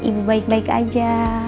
ibu baik baik aja